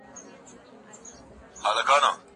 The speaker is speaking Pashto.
زه کولای سم د کتابتون د کار مرسته وکړم!!